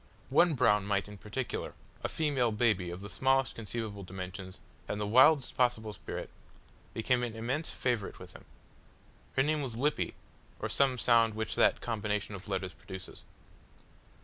One brown mite in particular a female baby of the smallest conceivable dimensions, and the wildest possible spirit became an immense favourite with him. Her name was Lippy, or some sound which that combination of letters produces.